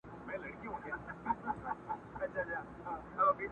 چي پر سمه لاره ځم راته قهرېږي!